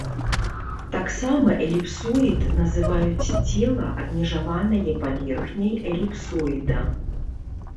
Таксама эліпсоід называюць цела, абмежаванае паверхняй эліпсоіда.